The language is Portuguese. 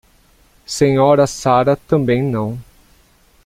Sra Sarah também não.